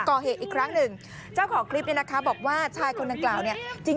ก่อเหตุอีกครั้งหนึ่งเจ้าของคลิปเนี่ยนะคะบอกว่าชายคนดังกล่าวเนี่ยจริง